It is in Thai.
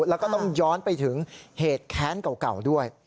แล้วก็ต้องย้อนไปถึงเหตุแค้นเก่าด้วย